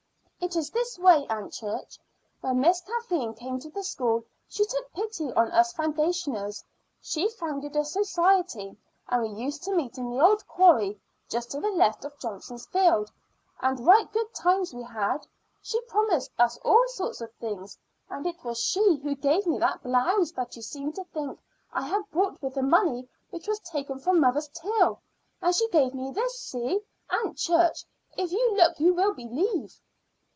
It is this way, Aunt Church: When Miss Kathleen came to the school she took pity on us foundationers. She founded a society, and we used to meet in the old quarry just to the left of Johnson's Field; and right good times we had. She promised us all sorts of things. It was she who gave me that blouse that you seemed to think I had bought with the money which was taken from mother's till. And she gave me this. See, Aunt Church; if you look you will believe."